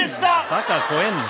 バカ超えんな！